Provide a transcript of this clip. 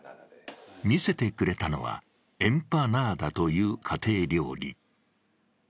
見せてくれたのは、エンパナーダという家庭料理。